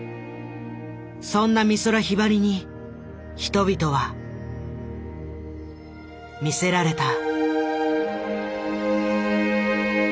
そんな美空ひばりに人々は魅せられた。